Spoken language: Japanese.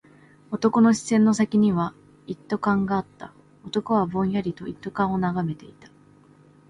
男の視線の先には一斗缶があった。男はぼんやりと一斗缶を眺めていた。